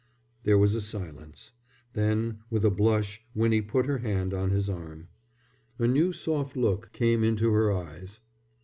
There was a silence. Then with a blush Winnie put her hand on his arm. A new soft look came into her eyes.